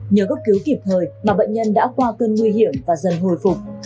nhờ cấp cứu kịp thời mà bệnh nhân đã qua cơn nguy hiểm và dần hồi phục